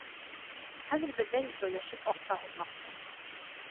Хәҙер беҙҙән икәүләшеп аҡса һурмаҡсы!